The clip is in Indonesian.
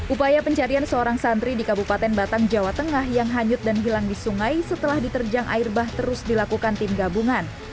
upaya pencarian seorang santri di kabupaten batang jawa tengah yang hanyut dan hilang di sungai setelah diterjang air bah terus dilakukan tim gabungan